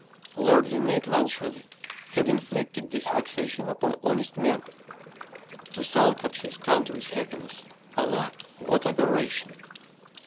Lord Linnæus Clancharlie had inflicted this vexation upon honest men. To sulk at his country's happiness, alack, what aberration!